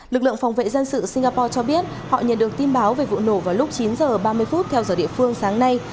lực lượng phòng vệ dân sự singapore cho biết họ nhận được tin báo về vụ nổ vào lúc chín h ba mươi phút theo giờ địa phương sáng nay